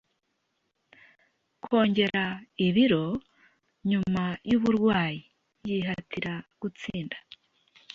kongera ibiro nyuma yuburwayi, yihatira gutsinda